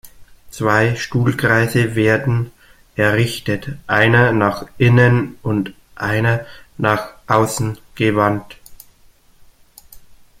Zwei Stuhlkreise werden errichtet, einer nach innen und einer nach außen gewandt.